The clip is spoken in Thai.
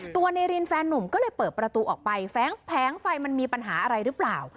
ตัวในรินแฟนนุ่มก็เลยเปิดประตูออกไปแฟ้งไฟมันมีปัญหาอะไรหรือเปล่า